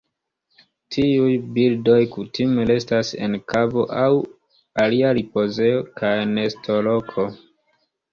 Tiuj birdoj kutime restas en kavo aŭ alia ripozejo kaj nestoloko.